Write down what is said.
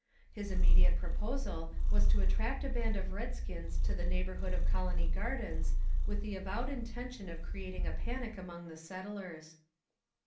His immediate proposal was to attract a band of redskins to the neighbourhood of Colony Gardens with the avowed intention of creating a panic among the settlers.